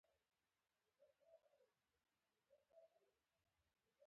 د سهار لمونځ څلور رکعته دی.